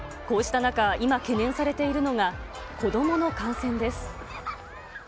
こうした中、今、懸念されているのが、子どもの感染です。